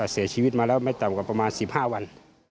เสียชีวิตมาแล้วไม่ต่ำกว่าประมาณ๑๕วัน